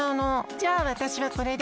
じゃあわたしはこれで。